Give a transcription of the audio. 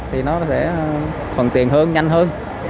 thì nó sẽ phần tiền hơn nhanh hơn